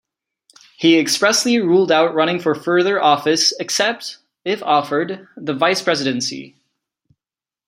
He expressly ruled out running for further office except, if offered, the Vice Presidency.